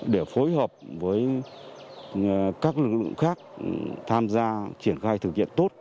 để phối hợp với các lực lượng khác tham gia triển khai thực hiện tốt